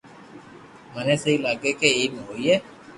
مني سھي لاگي ڪي ايم ھوئي